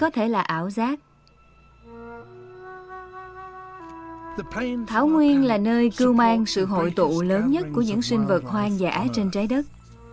thảo nguyên là nơi cưu mang sự hội tụ lớn nhất của những sinh vật hoang dã trên trái đất